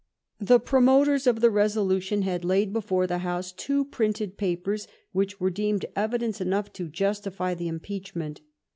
The promoters of the resolution had laid before the House two printed papers which were deemed evi dence enough to justify the impeachment.